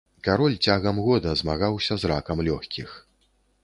Кароль цягам года змагаўся з ракам лёгкіх.